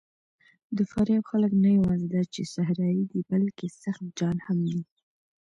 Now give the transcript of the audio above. د فاریاب خلک نه یواځې دا چې صحرايي دي، بلکې سخت جان هم دي.